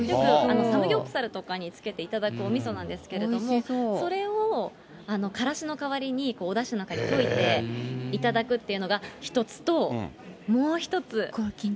サムギョプサルとかにつけていただくおみそなんですけれども、それをからしの代わりに、おだしの中に溶いて、頂くっていうのが一つと、もう一つ。